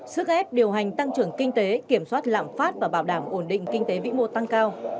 sức ép điều hành tăng trưởng kinh tế kiểm soát lạm phát và bảo đảm ổn định kinh tế vĩ mô tăng cao